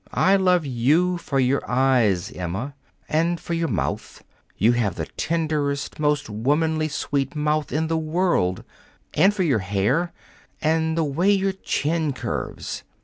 I love you for your eyes, Emma, and for your mouth you have the tenderest, most womanly sweet mouth in the world and for your hair, and the way your chin curves.